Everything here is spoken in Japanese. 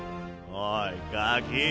おいガキ。